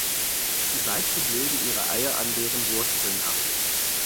Die Weibchen legen ihre Eier an deren Wurzeln ab.